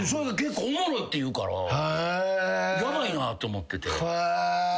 おもろいって言うからヤバいなと思ってて。